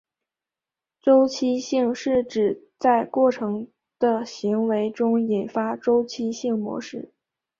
周期性是指在过程的行为中引发周期性模式。